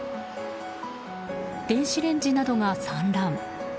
電子レンジなどが散乱。